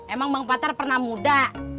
emang bang patter pernah muda